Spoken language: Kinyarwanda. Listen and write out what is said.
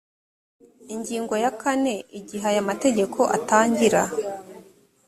ingingo ya kane igihe aya mategeko atangira